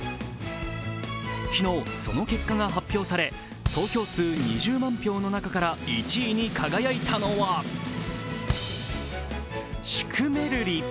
昨日、その結果が発表され投票数２０万票の中から１位に輝いたのはシュクメルリ。